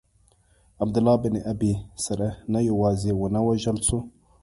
عبدالله بن ابی سرح نه یوازي ونه وژل سو.